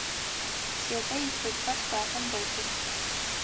Светэ итхылъхэр шкафым дэлъых.